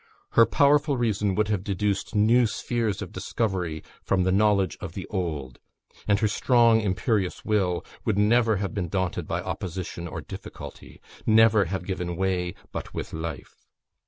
"Her powerful reason would have deduced new spheres of discovery from the knowledge of the old; and her strong imperious will would never have been daunted by opposition or difficulty; never have given way but with life."